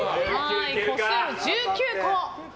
個数１９個。